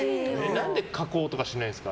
何で加工とかしないんですか？